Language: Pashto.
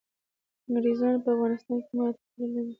انګریزانو په افغانستان کي ماتي خوړلي ده.